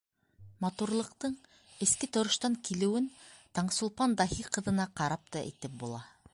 Матурлыҡтың эске тороштан килеүен Таңсулпан Даһи ҡыҙына ҡарап та әйтеп була.